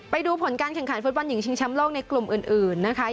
ไปดูผลการแข่งขันฟุตบอลหญิงชิงแชมป์โลกในกลุ่มอื่นนะคะ